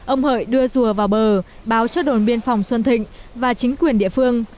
ông hợi đưa rùa vào bờ báo cho đồn biên phòng xuân thịnh và chính quyền địa phương